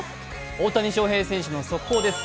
大谷翔平選手の速報です。